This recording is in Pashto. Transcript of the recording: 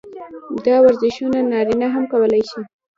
دا ورزشونه نارينه هم کولے شي -